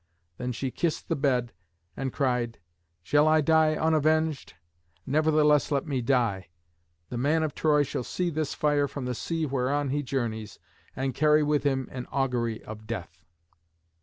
Then she kissed the bed and cried, "Shall I die unavenged? Nevertheless let me die. The man of Troy shall see this fire from the sea whereon he journeys, and carry with him an augury of death."